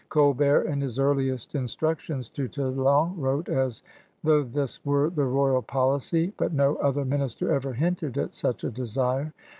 Colbert in his earliest instructions to Talon wrote as though this were the royal policy, but no other minister ever hinted at such a desire.